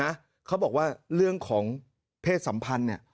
เขาบอกว่าเรื่องของเพศสัมพันธ์เนี่ย